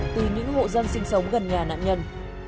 từ những hộ dân sinh sống gần nhà nạn nhân